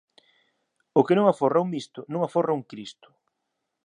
O que non aforra un misto, non aforra un cristo